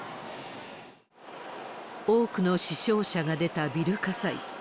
多くの死傷者が出たビル火災。